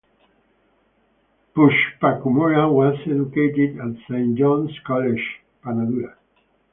Pushpakumura was educated at Saint John's College Panadura.